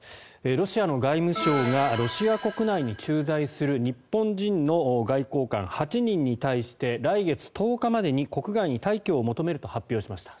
ロシアの外務省がロシア国内に駐在する日本人の外交官８人に対して来月１０日までに国外に退去を求めると発表しました。